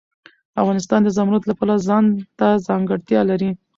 افغانستان د زمرد د پلوه ځانته ځانګړتیا لري.